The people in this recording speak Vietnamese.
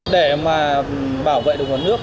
để mà bảo vệ được nguồn nước